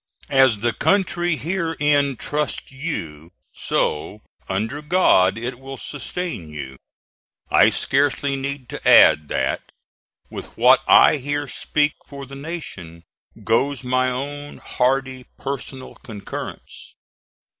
As the country herein trusts you, so, under God, it will sustain you. I scarcely need to add, that, with what I here speak for the nation, goes my own hearty personal concurrence."